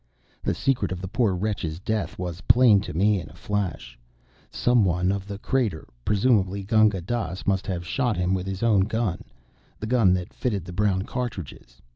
The secret of the poor wretch's death was plain to me in a flash. Some one of the crater, presumably Gunga Dass, must have shot him with his own gun the gun that fitted the brown cartridges.